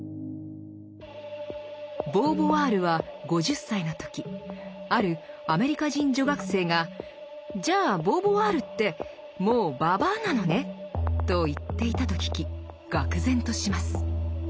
ボーヴォワールは５０歳の時あるアメリカ人女学生が「じゃあボーヴォワールってもう老女なのね！」と言っていたと聞きがく然とします。